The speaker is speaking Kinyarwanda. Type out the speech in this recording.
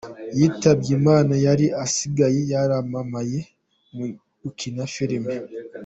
Yitabye Imana yari asigaye yaramamaye mugukina filime.